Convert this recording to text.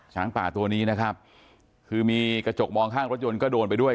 ช้างป่าตัวนี้นะครับคือมีกระจกมองข้างรถยนต์ก็โดนไปด้วย